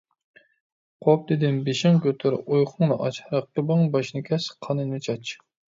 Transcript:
قوپ! دېدىم، بېشىڭ كۆتۈر! ئۇيقۇڭنى ئاچ! رەقىبىڭ باشىنى كەس، قانىنى چاچ!